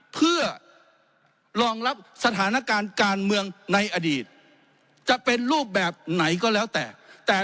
เพื่อรองรับสถานการณ์การเมืองในอดีตจะเป็นรูปแบบไหนก็แล้วแต่แต่